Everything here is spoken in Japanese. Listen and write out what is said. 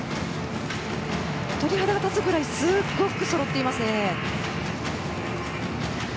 鳥肌が立つくらいすごくそろっていますね。